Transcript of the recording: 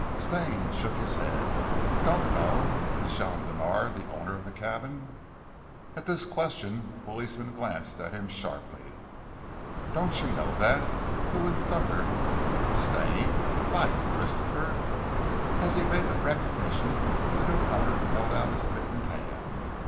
Stane shook his head. "Don't know. Is Jean Bènard the owner of the cabin?" At this question the policeman glanced at him sharply. "Don't you know that? Who in thunder Stane! By Christopher!" As he made the recognition the new comer held out his mittened hand.